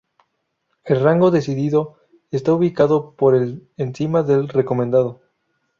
El rango "decidido" está ubicado por encima del "recomendado".